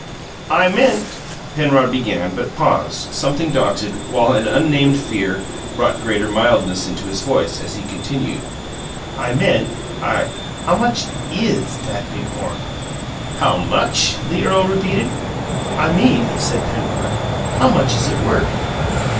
"I meant " Penrod began, but paused, something daunted, while an unnamed fear brought greater mildness into his voice, as he continued, "I meant I How much IS that big horn?" "How much?" the earl repeated. "I mean," said Penrod, "how much is it worth?"